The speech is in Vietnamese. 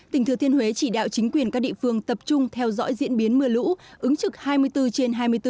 tỉnh thừa thiên huế chỉ đạo chính quyền các địa phương tập trung theo dõi diễn biến mưa lũ ứng trực hai mươi bốn trên hai mươi bốn